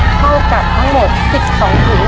เท่ากับทั้งหมดสิบสองถุง